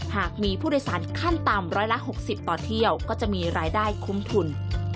หากมีผู้โดยสารขั้นต่ำร้อยละ๖๐ต่อเที่ยวก็จะมีรายได้คุ้มทุน